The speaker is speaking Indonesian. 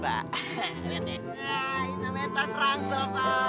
nah ini nomer tas rangsil fah